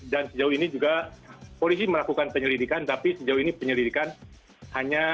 dan sejauh ini juga polisi melakukan penyelidikan tapi sejauh ini penyelidikan itu harus clear